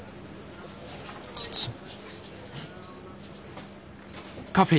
包む。